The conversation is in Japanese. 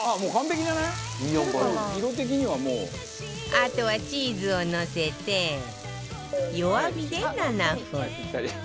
あとはチーズをのせて弱火で７分